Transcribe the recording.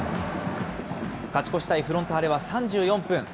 勝ち越したいフロンターレは３４分。